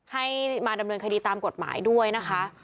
ให้มาดำเนินคดีตามกฎหมายด้วยนะคะ